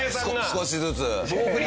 少しずつ。